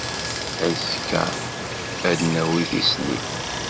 Azekka, ad d-nawi tislit.